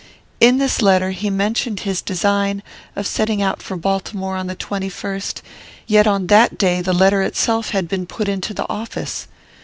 In this letter he mentioned his design of setting out for Baltimore on the twenty first, yet on that day the letter itself had been put into the office.